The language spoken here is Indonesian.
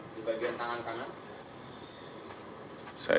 di bagian tangan kanan